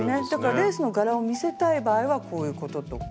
レースの柄を見せたい場合はこういうこととか。